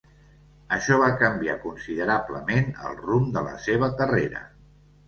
Això va canviar considerablement el rumb de la seva carrera.